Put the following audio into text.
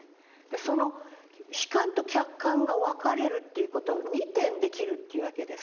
その主観と客観が分かれるという事は２点できるっていうわけです